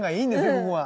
ここは。